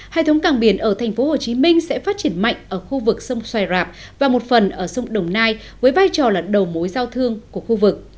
hệ thống cảng biển ở tp hcm sẽ phát triển mạnh ở khu vực sông xoài rạp và một phần ở sông đồng nai với vai trò là đầu mối giao thương của khu vực